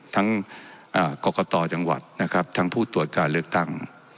ทั้งกรกตจังหวัดนะครับทั้งผู้ตรวจการเลือกตั้ง